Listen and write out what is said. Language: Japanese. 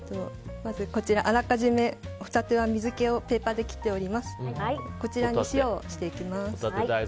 まず、あらかじめホタテは水気をペーパーで切っております。